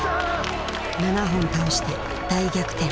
７本倒して大逆転。